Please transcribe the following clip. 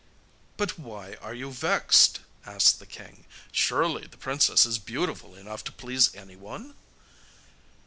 'But why are you vexed?' asked the king. 'Surely the princess is beautiful enough to please anyone?